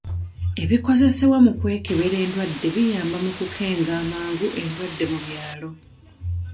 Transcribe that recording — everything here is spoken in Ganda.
Ebikozesebwa mu kwekebera enddwadde biyamba mu kukenga amangu enddwadde mu byalo.